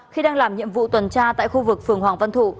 khi đang làm nhiệm vụ tuần tra tại khu vực phường hoàng văn thụ